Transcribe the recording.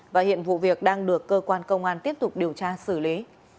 và hiện vụ việc đang được cơ quan công an tiếp tục điều tra xử lý